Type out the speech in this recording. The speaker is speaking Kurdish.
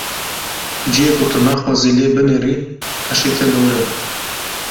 Ciyê ku tu naxwazî lê binêrî, hişê te li wir e.